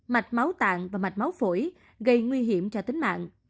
mạch máu tàn và mạch máu phổi gây nguy hiểm cho tính mạng